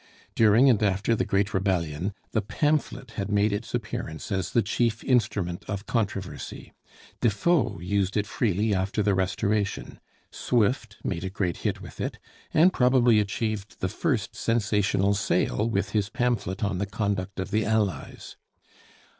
During and after the Great Rebellion, the pamphlet had made its appearance as the chief instrument of controversy. Defoe used it freely after the Restoration. Swift made a great hit with it, and probably achieved the first sensational sale with his pamphlet on 'The Conduct of the Allies.'